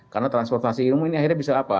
karena transportasi umum ini akhirnya bisa apa